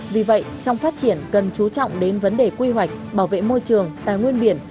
vì vậy trong phát triển cần chú trọng đến vấn đề quy hoạch bảo vệ môi trường tài nguyên biển